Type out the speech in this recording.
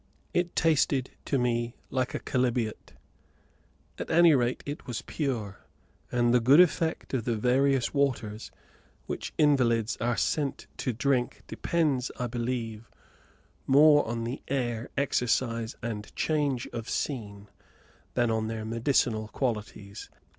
It tasted to me like a chalybeate; at any rate, it was pure; and the good effect of the various waters which invalids are sent to drink depends, I believe, more on the air, exercise, and change of scene, than on their medicinal qualities.